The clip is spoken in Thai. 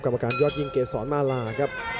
กรรมการยอดยิงเกษรมาลาครับ